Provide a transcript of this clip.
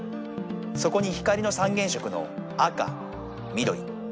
そこに光の三原色の赤緑青。